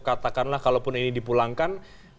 katakanlah kalaupun ini dipulangkan